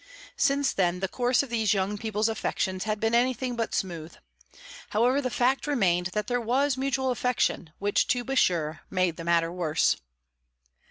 Since then the course of these young people's affections had been anything but smooth. However, the fact remained that there was mutual affection which, to be sure, made the matter worse.